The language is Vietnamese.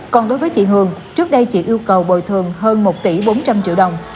còn đối với chị hường trước đây chị yêu cầu bồi thường hơn một tỷ bốn trăm linh triệu đồng